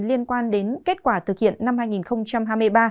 liên quan đến kết quả thực hiện năm hai nghìn hai mươi ba